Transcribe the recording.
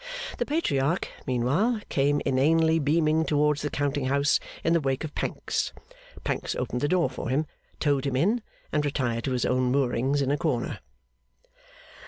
The Patriarch, meanwhile, came inanely beaming towards the counting house in the wake of Pancks. Pancks opened the door for him, towed him in, and retired to his own moorings in a corner.